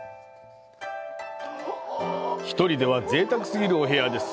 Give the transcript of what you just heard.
１人ではぜいたく過ぎるお部屋です。